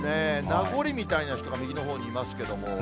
名残みたいな人が右のほうにいますけれども。